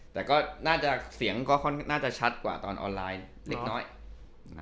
แต่ก็เสียงก็น่าจะชัดกว่าตอนออนไลน์เล็ก